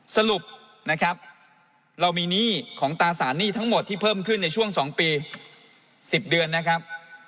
สรุปนะครับเรามีหนี้ของตราสารหนี้ทั้งหมดที่เพิ่มขึ้นในช่วง๒ปี๑๐เดือนนะครับ